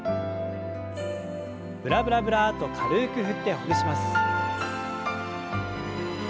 ブラブラブラッと軽く振ってほぐします。